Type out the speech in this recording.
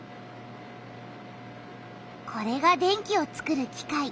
これが電気をつくる機械。